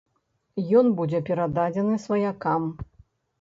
Ён будзе перададзены сваякам.